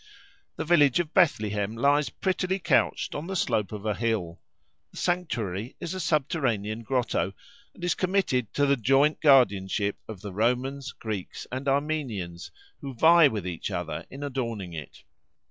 The village of Bethlehem lies prettily couched on the slope of a hill. The sanctuary is a subterranean grotto, and is committed to the joint guardianship of the Romans, Greeks, and Armenians, who vie with each other in adorning it.